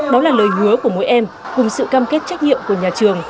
đó là lời hứa của mỗi em cùng sự cam kết trách nhiệm của nhà trường